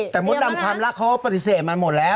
ถ้าม้นตำความรักเขาปฏิเสธมาหมดแล้ว